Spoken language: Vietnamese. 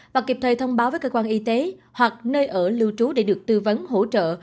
và kịp thời thông báo với cơ quan y tế hoặc nơi ở lưu trú để được tư vấn hỗ trợ